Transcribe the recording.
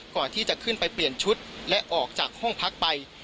ก่อนที่จะขึ้นไปเปลี่ยนชุดและออกจากห้องพักไป